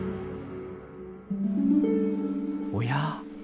おや？